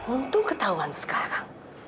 untung ketahuan sekarang